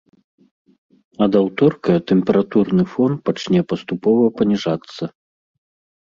Ад аўторка тэмпературны фон пачне паступова паніжацца.